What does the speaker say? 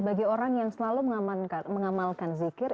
bagi orang yang selalu mengamalkan zikir